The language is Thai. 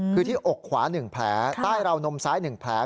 คือที่อกขวา๑แผลใต้ราวนมซ้าย๑แผล